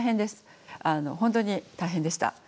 本当に大変でした。